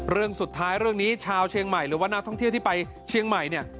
เรื่องสุดท้ายเรื่องนี้ชาวเชียงใหม่หรือว่านักท่องเที่ยวที่ไปเชียงใหม่เนี่ย